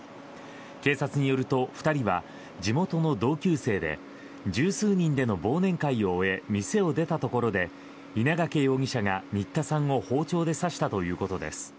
警察によると２人は地元の同級生で十数人での忘年会を終え店を出たところで稲掛容疑者が新田さんを包丁で刺したということです。